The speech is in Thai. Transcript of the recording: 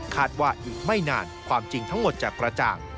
คาดว่าอยู่ไม่นานความจริงทั้งหมดจะประจง